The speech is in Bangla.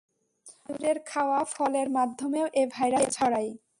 বাদুড়ের খাওয়া ফলের মাধ্যমেও এ ভাইরাস ছড়ায়।